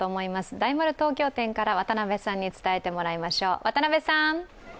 大丸東京店から渡部さんに伝えてもらいましょう。